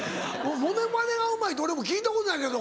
モノマネがうまいって俺も聞いたことないけど。